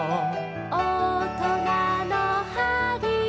「おとなのはりと」